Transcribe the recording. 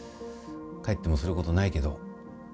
帰ってもすることないけど。